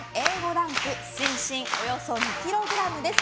ランク芯々およそ２ｋｇです！